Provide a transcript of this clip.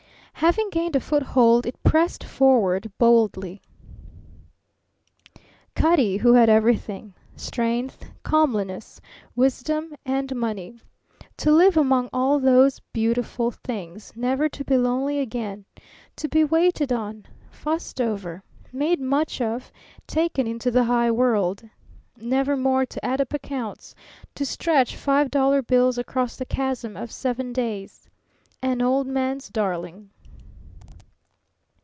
Having gained a foothold it pressed forward boldly. Cutty, who had everything strength, comeliness, wisdom, and money. To live among all those beautiful things, never to be lonely again, to be waited on, fussed over, made much of, taken into the high world. Never more to add up accounts, to stretch five dollar bills across the chasm of seven days. An old man's darling!